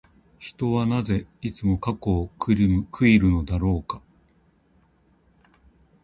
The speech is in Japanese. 人はなぜ、いつも過去を悔いるのだろうか。